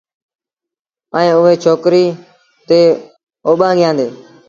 ائيٚݩ اُئي ڇوڪريٚ تي اوٻآݩگيآݩدي